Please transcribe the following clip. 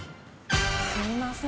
すみません。